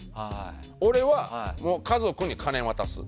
俺は家族に金を渡す。